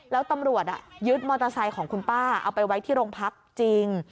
แล้วตำรวจยึดมอเตอร์ไซค์ของคุณป้าเอาไปไว้ที่โรงพักจริง